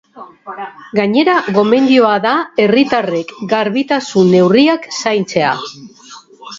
Gainera, gomendioa da herritarrek garbitasun-neurriak zaintzea.